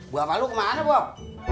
buapalu kemana bob